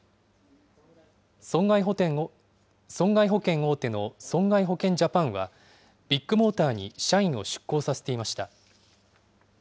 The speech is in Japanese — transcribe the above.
損害保険大手の損害保険ジャパンは、ビッグモーターに社員を出向させていました。